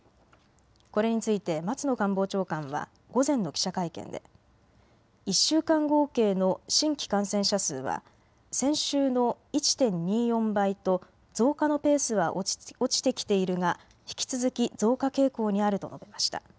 これについて松野官房長官は午前の記者会見で１週間合計の新規感染者数は先週の１．２４倍と増加のペースは落ちてきているが引き続き増加傾向にあると述べました。